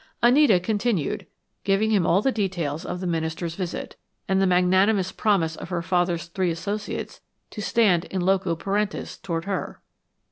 Anita continued, giving him all the details of the minister's visit, and the magnanimous promise of her father's three associates to stand in loco parentis toward her.